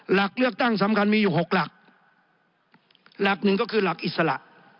หลักเลือกตั้งสำคัญมีอยู่๖หลักหลักหนึ่งก็คือหลักอิสระ